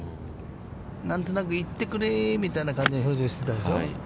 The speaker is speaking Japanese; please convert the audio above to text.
何となく、行ってくれ、みたいな表情をしてたでしょう。